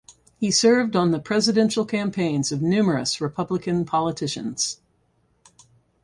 He served on the presidential campaigns of numerous Republican politicians.